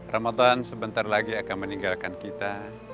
ramadan sebentar lagi akan meninggalkan kita